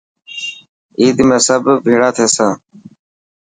عيد ۾ سب بيڙا ٿيسان.